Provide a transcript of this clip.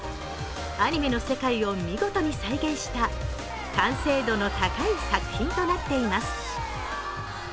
アニメの世界を見事に再現した完成度の高い作品となっています。